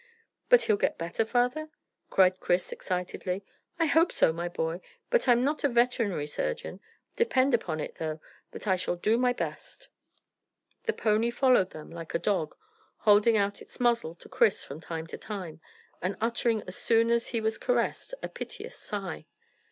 "But he'll get better, father?" cried Chris excitedly. "I hope so, my boy; but I am not a veterinary surgeon. Depend upon it, though, that I shall do my best." The pony followed them like a dog, holding out its muzzle to Chris from time to time, and uttering as soon as he was caressed a piteous sigh.